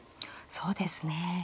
そうですね。